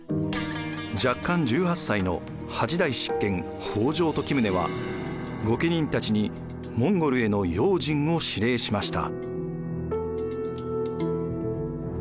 弱冠１８歳の８代執権北条時宗は御家人たちにモンゴルへの用心を指令しました。